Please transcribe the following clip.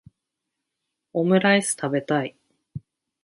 オムライス食べたい